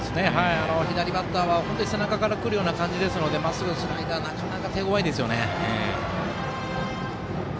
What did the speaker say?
左バッターは背中から来るような感じですのでまっすぐ、スライダーはなかなか手ごわいですね。